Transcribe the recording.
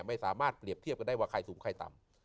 ไม่สามารถเปรียบเทียบกันได้ว่าใครสูงใครต่ำ